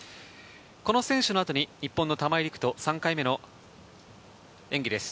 この選手の後に日本の玉井陸斗、３回目の演技です。